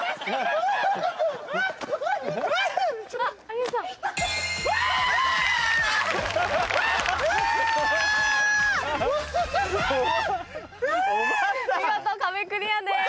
見事壁クリアです。